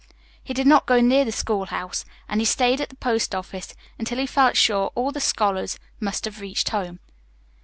He did not go near the schoolhouse, and he stayed at the post office until he felt sure all the scholars must have reached home.